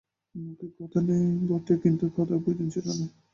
মুখে কথা নেই বটে কিন্তু কথার প্রয়োজন ছিল না।